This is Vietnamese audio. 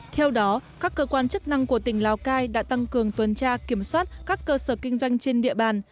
theo đó các cơ quan chức năng của tỉnh lào cai đã tăng cường tuần tra kiểm soát các cơ sở kinh doanh trên địa bàn